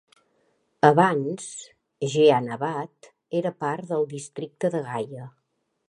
Abans, Jehanabad era part del districte de Gaya.